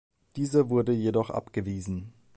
Dieser wurde jedoch abgewiesen.